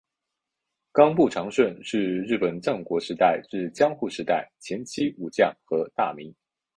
冈部长盛是日本战国时代至江户时代前期武将和大名。